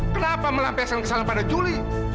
kenapa melampiaskan kesalahan pada juli